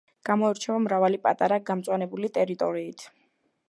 გამოირჩევა მრავალი პატარა გამწვანებული ტერიტორიით.